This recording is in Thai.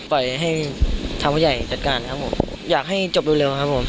ปล่อยให้ทางผู้ใหญ่จัดการครับผมอยากให้จบเร็วครับผม